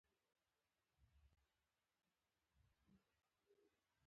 تر ټولو معموله سوداګریزه طریقه په قوریه کې د تخم کرل دي.